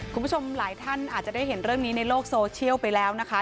คุณผู้ชมหลายท่านอาจจะได้เห็นเรื่องนี้ในโลกโซเชียลไปแล้วนะคะ